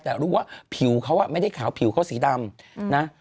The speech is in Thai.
แต่รู้ว่าผิวเขาไม่ได้ขาวผิวเขาสีดำนะ